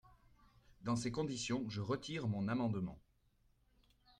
Dans ces conditions, je retire mon amendement.